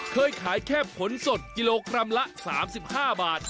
เคยขายแค่ผลสดกิโลกรัมละ๓๕บาท